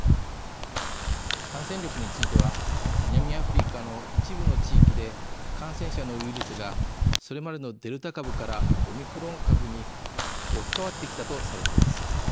感染力については南アフリカの一部の地域で感染者のウイルスがそれまでのデルタ株からオミクロン株に置き換わってきたとされています。